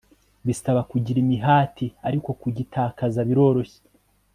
bisaba kugira imihati ariko kugitakaza biroroshye